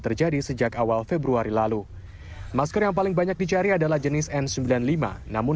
terjadi sejak awal februari lalu masker yang paling banyak dicari adalah jenis n sembilan puluh lima namun